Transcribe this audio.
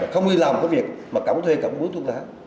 không đi làm một cái việc mà cẩm thuê cẩm buôn thuốc lá